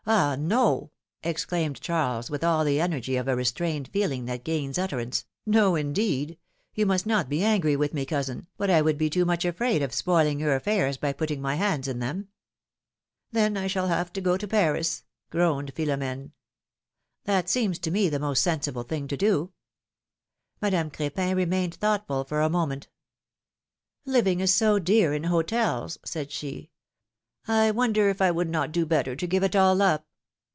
! no !" exclaimed Charles, with all the energy of a restrained feeling that gains utterance. No, indeed! You philom^ine's marriages. 145 must not be angry with me, cousin, but I would be too much afraid of spoiling your affairs by putting my hands in them.^^ ^'Then I shall have to go to Paris groaned Philom^rie. " That seems to me the most sensible thing to do.^^ Madame Crepin remained thoughtful for a moment. Living is so dear in hotels,'^ said she. I wonder if I would not do better to give it all up